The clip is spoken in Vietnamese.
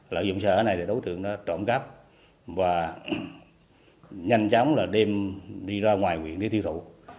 lợi dụng sự ở này thì đối tượng nó trộm cắp và nhanh chóng là đem đi ra ngoài quyền để thiêu thủ